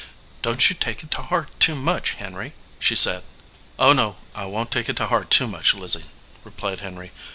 "Don t you take it to heart too much, Henry," she said. "Oh no, I won t take it to heart too much, Lizzie," replied Henry.